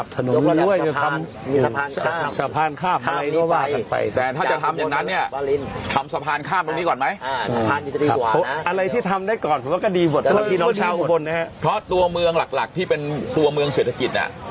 แต่ตัวเมืองหลักที่เป็นเมืองเศรษฐกิจ